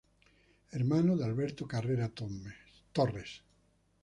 Hermano de Alberto Carrera Torres.